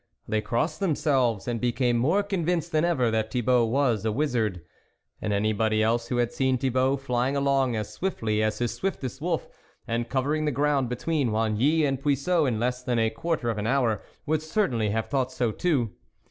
They crossed themselves, and became more convinced than ever that Thibault was a wizard. And anybody else who had seen Thibault, flying along as swiftly as his swiftest wolf, and cover ing the ground between Oigny and Puiseux in less than a quarter of an hour, would certainly have thought so too.